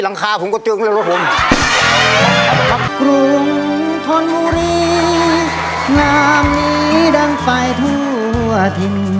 หลังคาผมก็เจอรถผม